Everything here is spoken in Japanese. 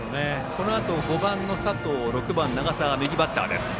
このあと５番、佐藤６番、長澤は右バッター。